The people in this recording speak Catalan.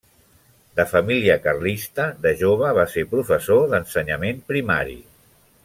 De família carlista, de jove va ser professor d'ensenyament primari.